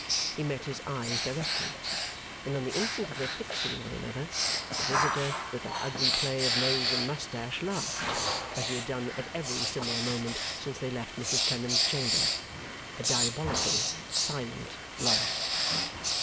He met his eyes directly; and on the instant of their fixing one another, the visitor, with that ugly play of nose and moustache, laughed (as he had done at every similar moment since they left Mrs Clennam's chamber) a diabolically silent laugh.